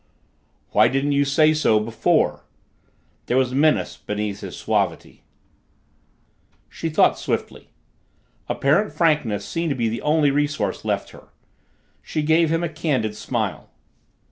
"Why didn't you say so before?" There was menace beneath his suavity. She thought swiftly. Apparent frankness seemed to be the only resource left her. She gave him a candid smile.